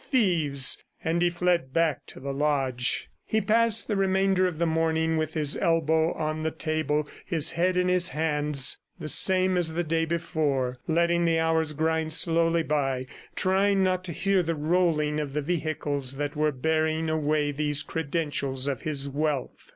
thieves!" and he fled back to the lodge. He passed the remainder of the morning with his elbow on the table, his head in his hands, the same as the day before, letting the hours grind slowly by, trying not to hear the rolling of the vehicles that were bearing away these credentials of his wealth.